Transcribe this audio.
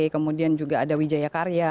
kemudian juga ada wijaya karya